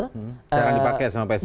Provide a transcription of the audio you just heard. jarang dipakai sama pak s b